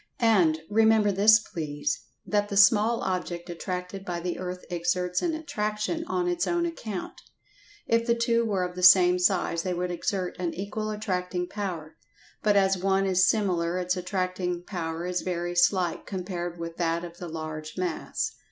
And, remember this please, that the small object attracted by the earth exerts an attraction on its own account. If the two were of the same size they would exert an equal attracting power, but as one is smaller its attracting power is very slight compared with that of the large mass.